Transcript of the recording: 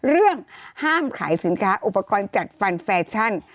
ห้ามขายสินค้าอุปกรณ์จัดฟันแฟชั่น